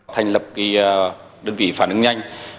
thành lập đơn vị phản ứng nhanh